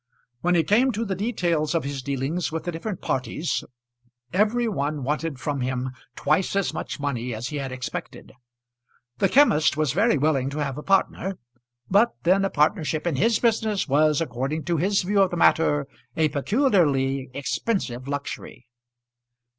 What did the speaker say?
When he came to the details of his dealings with the different parties, every one wanted from him twice as much money as he had expected. The chemist was very willing to have a partner, but then a partnership in his business was, according to his view of the matter, a peculiarly expensive luxury.